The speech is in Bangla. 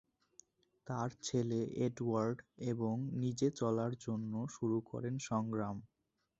তার ছেলে "এডওয়ার্ড" এবং নিজে চলার জন্য শুরু করেন সংগ্রাম।